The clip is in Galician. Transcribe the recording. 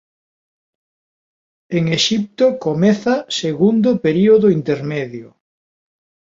En Exipto comeza segundo período intermedio.